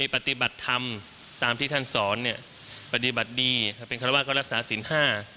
ปฏิบัติธรรมตามที่ท่านสอนปฏิบัติดีเป็นความราชรักษาสินห้า